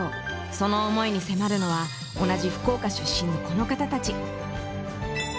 その思いに迫るのは同じ福岡出身のこの方たち。